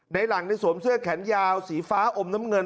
ในหลังในสวมเสื้อแขนยาวสีฟ้าอมน้ำเงิน